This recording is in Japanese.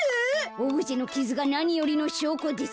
オブジェのキズがなによりのしょうこです。